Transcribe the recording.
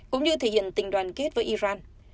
cũng như thể hiện tình đoàn kết với iran